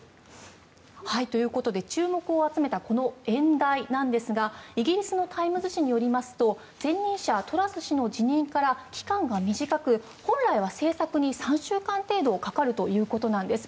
ということで注目を集めたこの演台なんですがイギリスのタイムズ紙によりますと前任者、トラス氏の辞任から期間が短く本来は製作に３週間程度かかるということです。